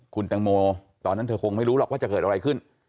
คุณตังโมตอนนั้นเธอคงไม่รู้หรอกว่าจะเกิดอะไรขึ้น